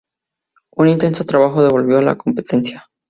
Un intenso trabajo devolvió a la competencia.